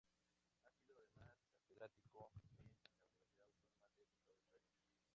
Ha sido además catedrático en la Universidad Autónoma del Estado de Morelos.